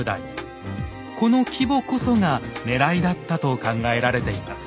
この規模こそがねらいだったと考えられています。